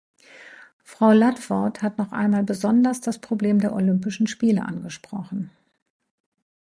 Frau Ludford hat noch einmal besonders das Problem der Olympischen Spiele angesprochen.